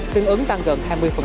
tương ứng tăng gần hai mươi